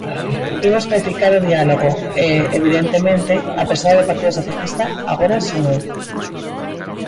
"Imos practicar o diálogo e, evidentemente, a persoa do Partido Socialista agora son eu".